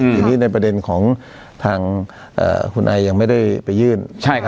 ทีนี้ในประเด็นของทางคุณไอยังไม่ได้ไปยื่น